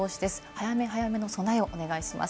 早め早めの備えをお願いします。